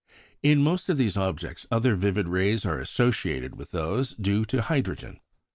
In most of these objects other vivid rays are associated with those due to hydrogen.